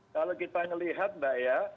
kalau kita melihat mbak ya